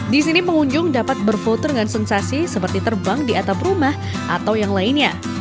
di sini pengunjung dapat berfoto dengan sensasi seperti terbang di atap rumah atau yang lainnya